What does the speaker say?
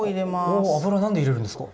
お油何で入れるんですか？